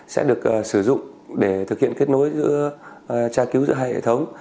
sẽ được sử dụng để thực hiện kết nối giữa tra cứu giữa hai hệ thống